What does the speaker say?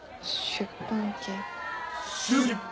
出版系！